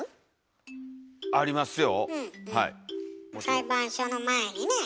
裁判所の前にね